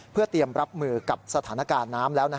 เพื่อเตรียมรับมือกับสถานการณ์น้ำแล้ว